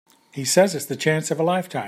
He says it's the chance of a lifetime.